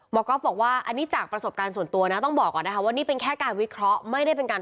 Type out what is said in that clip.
ก๊อฟบอกว่าอันนี้จากประสบการณ์ส่วนตัวนะต้องบอกก่อนนะคะว่านี่เป็นแค่การวิเคราะห์ไม่ได้เป็นการ